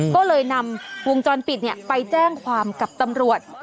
ก็เลยนำวงจรปิดไปแจ้งความกับตำรวจ